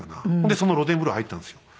でその露天風呂入ったんですよ。